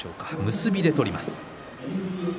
結びで相撲を取ります。